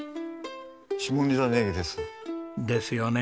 下仁田ネギです。ですよね。